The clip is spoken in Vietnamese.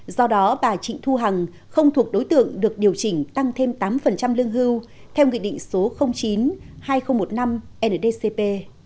do đó bà trịnh thu hằng không thuộc đối tượng được điều chỉnh tăng thêm tám lương hưu theo nghị định số chín hai nghìn một mươi năm ndcp